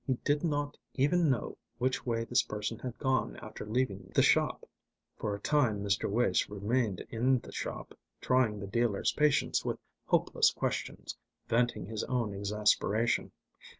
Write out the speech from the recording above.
He did not even know which way this person had gone after leaving the shop. For a time Mr. Wace remained in the shop, trying the dealer's patience with hopeless questions, venting his own exasperation.